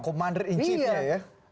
komander injilnya ya